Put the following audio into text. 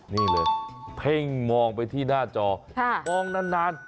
นี่เลยเพ่งมองไปที่หน้าจอมองนาน